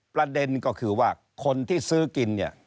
ประเด็นก็คือว่าคนที่ซื้อกินเนี่ย